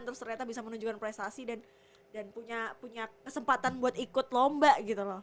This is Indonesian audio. terus ternyata bisa menunjukkan prestasi dan punya kesempatan buat ikut lomba gitu loh